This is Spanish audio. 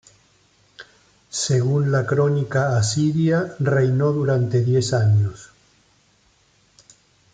Según la "Crónica asiria", reinó durante diez años.